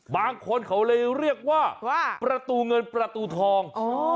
บางคนเขาเลยเรียกว่าประตูเงินประตูทอง